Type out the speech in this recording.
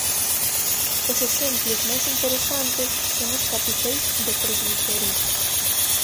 Os exemplos máis interesantes son os capiteis do presbiterio.